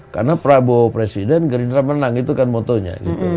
karena prabowo presiden gerindra menang itu kan motonya gitu